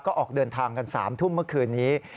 ก็ออกเดินทางกัน๓ทุ่มเมื่อคืนนี้